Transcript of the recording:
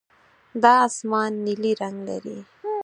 دا اسمان نیلي رنګ لري.